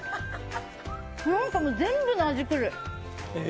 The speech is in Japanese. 何かもう、全部の味、くる。